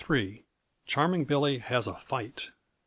_Charming Billy Has a Fight.